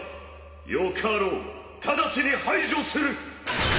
よかろう直ちに排除する！